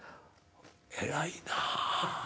偉いなぁ。